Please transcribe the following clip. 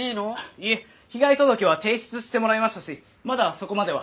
いえ被害届は提出してもらいましたしまだそこまでは。